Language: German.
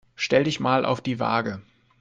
Stell dich mal auf die Waage.